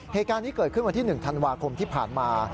เหตุการณ์นี้เกิดขึ้นวันที่๑ธันวาคมที่ผ่านมา